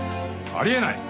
あり得ない！